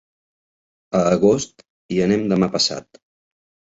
A Agost hi anem demà passat.